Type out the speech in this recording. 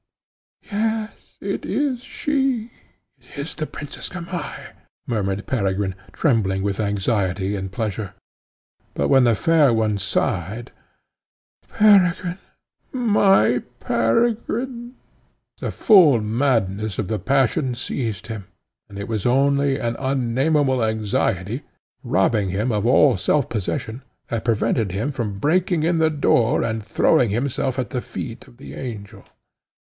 "Yes, it is she! it is the Princess Gamaheh!" murmured Peregrine, trembling with anxiety and pleasure. But when the fair one sighed, "Peregrine! my Peregrine!" the full madness of the passion seized him, and it was only an unnameable anxiety, robbing him of all self possession, that prevented him from breaking in the door, and throwing himself at the feet of the angel.